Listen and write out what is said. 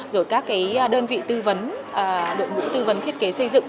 rồi các đơn vị tư vấn đội ngũ tư vấn thiết kế xây dựng